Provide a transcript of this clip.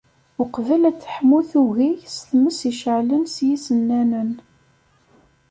Uqbel ad teḥmu tugi s tmes iceɛlen s yisennanen.